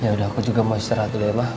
yaudah aku juga mau istirahat dulu ya ma